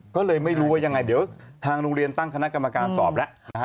ก็เลยไม่รู้ว่ายังไงเดี๋ยวทางโรงเรียนตั้งคณะกรรมการสอบแล้วนะฮะ